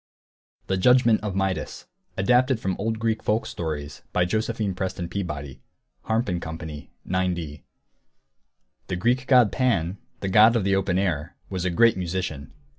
THE JUDGMENT OF MIDAS [Footnote 1: Adapted from Old Greek Folk Stories, by Josephine Preston Peabody. (Harrap & Co. 9d.)] The Greek God Pan, the god of the open air, was a great musician.